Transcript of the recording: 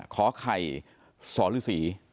ขอไข่สรศรี